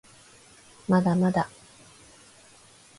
まだまだ